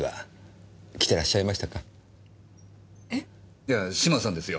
いや島さんですよ。